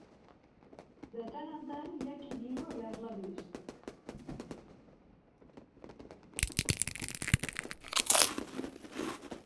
De tant en tant hi ha qui diu haver-la vist.